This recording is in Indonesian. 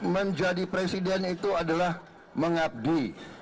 menjadi presiden itu adalah mengabdi